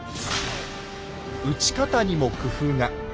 撃ち方にも工夫が。